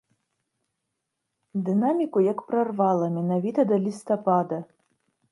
Дынаміку як прарвала менавіта да лістапада.